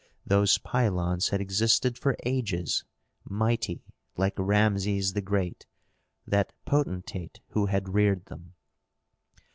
Those pylons had existed for ages, mighty, like Rameses the Great, that potentate who had reared them.